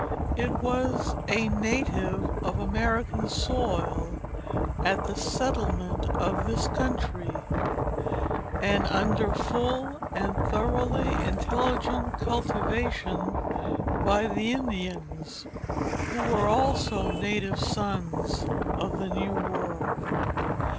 It was a native of American soil at the settlement of this country, and under full and thoroughly intelligent cultivation by the Indians, who were also native sons of the New World.